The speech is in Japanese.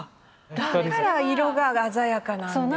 だから色が鮮やかなんですか。